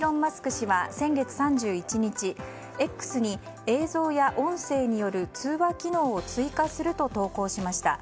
氏は先月３１日Ｘに映像や音声による通話機能を追加すると投稿しました。